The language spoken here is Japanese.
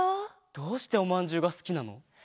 どうしておまんじゅうがすきなの？